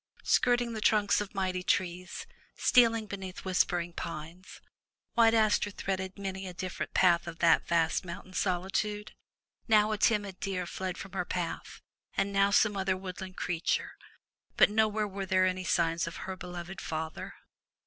Skirting the trunks of mighty trees, stealing beneath whispering pines. White Aster threaded many a different part of that vast mountain solitude. Now a timid deer fled from her path, and now some other woodland creature, but nowhere were there any signs of her beloved father.